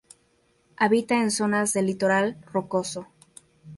Habita en zonas del litoral rocoso.